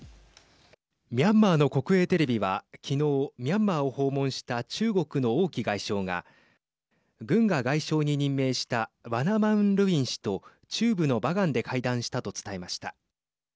ミャンマーの国営テレビはきのうミャンマーを訪問した中国の王毅外相が軍が外相に任命したワナ・マウン・ルウィン氏と中部のバガンで会談したと伝えました。